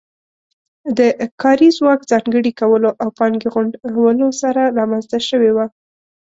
د کاري ځواک ځانګړي کولو او پانګې غونډولو سره رامنځته شوې وه